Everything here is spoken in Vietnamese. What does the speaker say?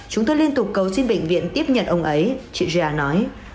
chúng tôi liên tục cầu xin bệnh viện tiếp nhận ông ấy chị ja nói